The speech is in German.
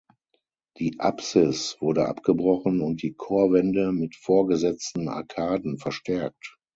Die Apsis wurde abgebrochen und die Chorwände mit vorgesetzten Arkaden verstärkt.